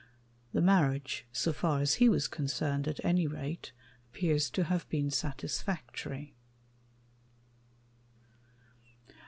The marriage so far as he was concerned, at any rate appears to have been satisfactory.